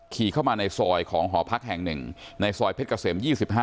ขี่เข้ามาในซอยของหอพักแห่ง๑ในซอยเพชรเกษม๒๕